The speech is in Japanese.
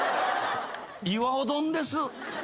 岩尾丼です。